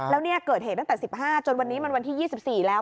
แล้วเนี่ยเกิดเหตุตั้งแต่๑๕จนวันนี้มันวันที่๒๔แล้ว